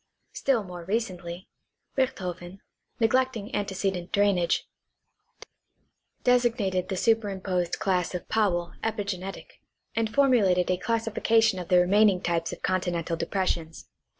Still more recently, Richthofen, neglecting antecedent drainage, designated the superimposed class of Powell epigenetic, and formulated a classification of the remaining types of continental depressions (Die.